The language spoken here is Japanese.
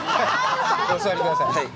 お座りください。